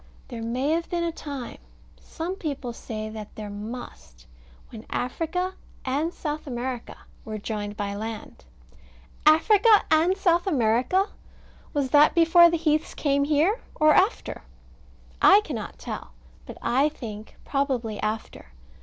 There may have been a time some people say that there must when Africa and South America were joined by land. Africa and South America! Was that before the heaths came here, or after? I cannot tell: but I think, probably after.